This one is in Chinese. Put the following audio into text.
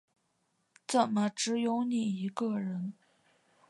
怎么只有你一个人